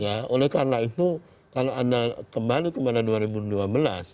ya oleh karena itu kalau anda kembali kepada dua ribu dua belas